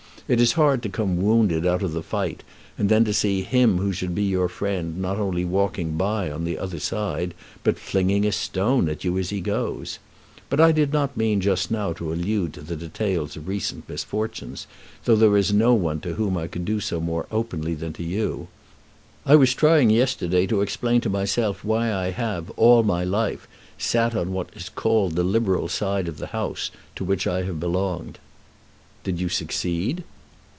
It is hard to come wounded out of the fight, and then to see him who should be your friend not only walking by on the other side, but flinging a stone at you as he goes. But I did not mean just now to allude to the details of recent misfortunes, though there is no one to whom I could do so more openly than to you. I was trying yesterday to explain to myself why I have, all my life, sat on what is called the Liberal side of the House to which I have belonged." "Did you succeed?"